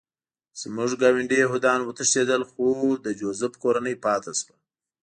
زموږ ګاونډي یهودان وتښتېدل خو د جوزف کورنۍ پاتې شوه